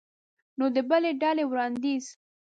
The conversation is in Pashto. نو د بلې ډلې وړاندیز